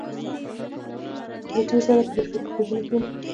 زه ډیر ځله د شپې په خوبونو کې وینم